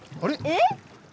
えっ？